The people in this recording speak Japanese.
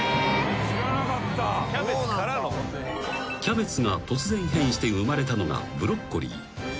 ［キャベツが突然変異して生まれたのがブロッコリー］